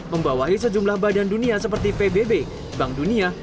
membawahi sejumlah badan dunia seperti pbb bank dunia